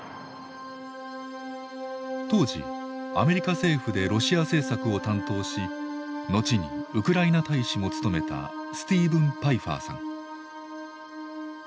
当時アメリカ政府でロシア政策を担当し後にウクライナ大使も務めたスティーブン・パイファーさん。